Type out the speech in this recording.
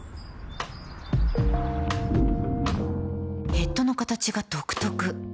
ヘッドの形が独特